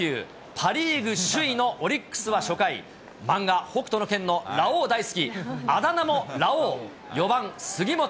パ・リーグ首位のオリックスは初回、漫画、北斗の拳のラオウ大好き、あだ名もラオウ、４番杉本。